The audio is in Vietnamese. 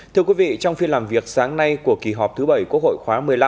thưa quý vị trong phiên làm việc sáng nay của kỳ họp thứ bảy quốc hội khóa một mươi năm